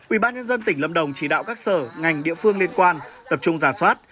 ủy ban nhân dân tỉnh lâm đồng chỉ đạo các sở ngành địa phương liên quan tập trung ra soát